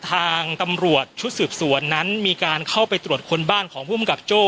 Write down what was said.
ทางตำรวจชุดสืบสวนนั้นมีการเข้าไปตรวจคนบ้านของภูมิกับโจ้